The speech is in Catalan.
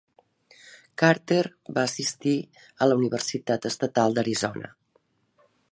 Carter va assistir a la Universitat Estatal d'Arizona.